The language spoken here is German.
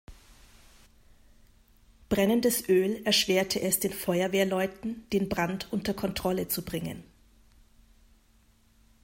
Brennendes Öl erschwerte es den Feuerwehrleuten, den Brand unter Kontrolle zu bringen.